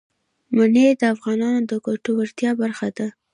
منی د افغانانو د ګټورتیا برخه ده.